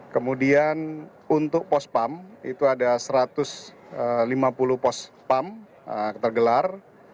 kemudian untuk pospam itu ada satu ratus lima puluh pospam tergelar